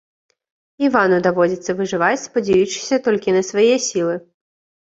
Івану даводзіцца выжываць, спадзеючыся толькі на свае сілы.